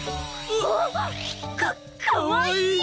うっ！かかわいい！